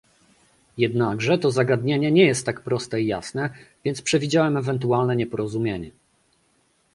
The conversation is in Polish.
Jednakże to zagadnienie nie jest tak proste i jasne, więc przewidziałem ewentualne nieporozumienie